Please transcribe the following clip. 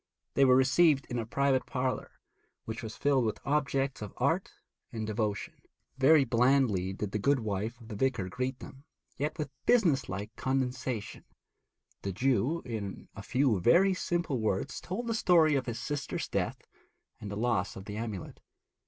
They were received in a private parlour, which was filled with objects of art and devotion. Very blandly did the good wife of the vicar greet them, yet with business like condescension. The Jew, in a few very simple words, told the story of his sister's death and the loss of the amulet.